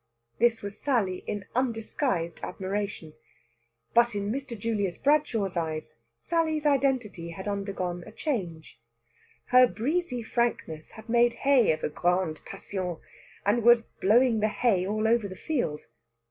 This was Sally in undisguised admiration. But in Mr. Julius Bradshaw's eyes, Sally's identity had undergone a change. Her breezy frankness had made hay of a grande passion, and was blowing the hay all over the field.